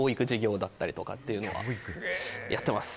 だっだりとかっていうのはやってます。